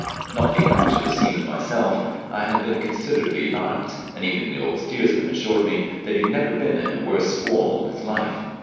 Not being much of a seaman myself I had been considerably alarmed, and even the old steersman assured me he had never been in a worse squall all his life.